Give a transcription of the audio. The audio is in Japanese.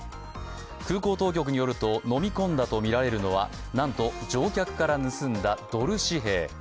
空港当局によると、飲み込んだとみられるのはなんと乗客から盗んだドル紙幣。